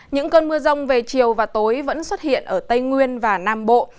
những cơn mưa rông về chiều và tối vẫn xuất hiện ở tây nguyên và nam bộ